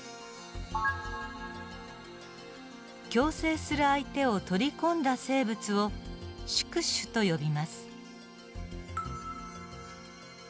共生する相手を取り込んだ生物を宿主と呼びます。